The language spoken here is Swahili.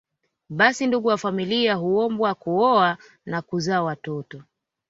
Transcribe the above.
Basi ndugu wa familia huombwa kuoa na kuzaa watoto